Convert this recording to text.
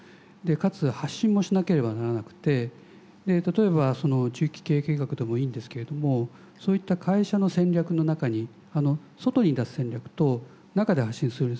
かつ発信もしなければならなくて例えば中期経営計画でもいいんですけれどもそういった会社の戦略の中に外に出す戦略と中で発信する戦略